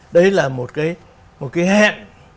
đấy là một cái hẹn